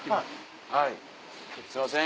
はいすいません。